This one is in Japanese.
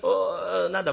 何だ？